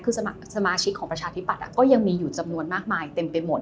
คือสมาชิกของประชาธิปัตย์ก็ยังมีอยู่จำนวนมากมายเต็มไปหมด